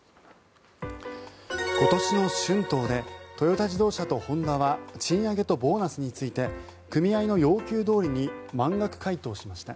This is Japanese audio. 今年の春闘でトヨタ自動車とホンダは賃上げとボーナスについて組合の要求どおりに満額回答しました。